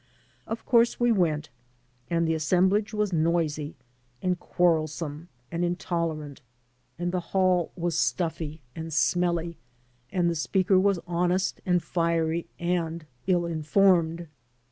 Of course, we went, and the assemblage was noisy and quarrelsome and intolerant, and the hall was stuffy THE ROMANCE OF READJUSTMENT and smelly, and the speaker was honest and fiery and ill infonned.